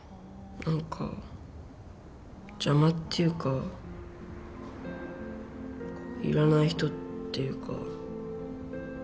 なんか邪魔っていうか要らない人っていうか